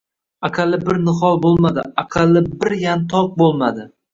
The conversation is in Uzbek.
Aqalli bir nihol bo‘lmadi. Aqalli bir... yantoq bo‘lmadi!